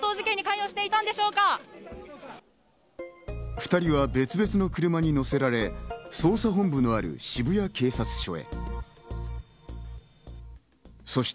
２人は別々の車に乗せられ、捜査本部のある渋谷警察署へ。